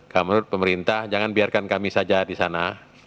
kalau menurut pemerintah jangan biarkan kami saja di sana